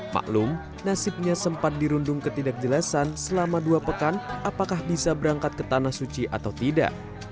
maklum nasibnya sempat dirundung ketidakjelasan selama dua pekan apakah bisa berangkat ke tanah suci atau tidak